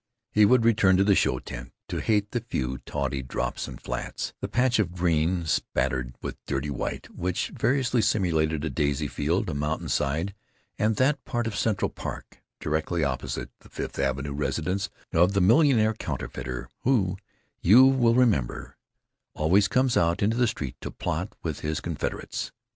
He would return to the show tent, to hate the few tawdry drops and flats—the patch of green spattered with dirty white which variously simulated a daisy field, a mountainside, and that part of Central Park directly opposite the Fifth Avenue residence of the millionaire counterfeiter, who, you remember, always comes out into the street to plot with his confederates.